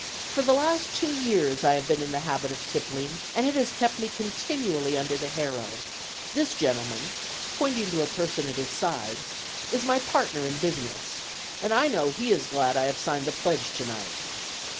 For the last two years I have been in the habit of tippling, and it has kept me continually under the harrow. This gentleman (pointing to a person at his side) is my partner in business, and I know he is glad I have signed the pledge to night."